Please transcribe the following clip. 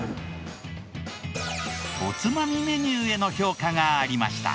おつまみメニューへの評価がありました。